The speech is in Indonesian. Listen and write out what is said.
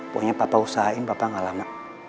pokoknya papa usahain papa gak lama